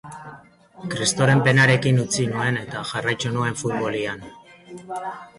Kristoren penarekin utzi nuen, eta jarraitu nuen futbolean.